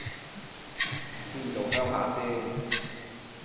邊度鄉下先